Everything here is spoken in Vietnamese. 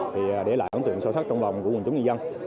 thì để lại ấn tượng sâu sắc trong lòng của quần chúng nhân dân